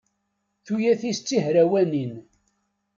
Tuyat-is d tihrawanin.